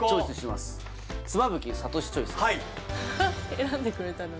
選んでくれたんだ